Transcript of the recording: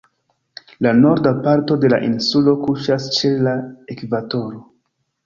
La Norda parto de la insulo kuŝas ĉe la ekvatoro.